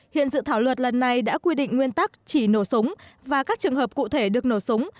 hiện dự thảo luật lần này đã quy định nguyên tắc chỉ nổ súng và các trường hợp cụ thể được nổ súng